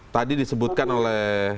tadi disebutkan oleh